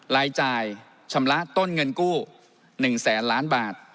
รายจ่ายชำระต้นเงินกู้๑แสนล้านบาท